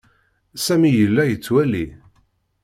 Sami yella yettwali.